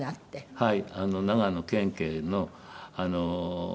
はい。